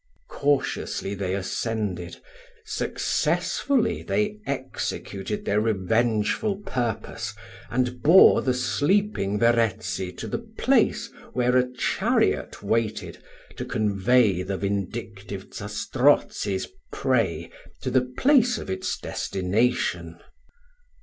Cautiously they ascended successfully they executed their revengeful purpose, and bore the sleeping Verezzi to the place, where a chariot waited to convey the vindictive Zastrozzi's prey to the place of its destination.